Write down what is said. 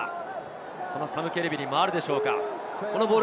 サム・ケレビに回るでしょうか、このボール。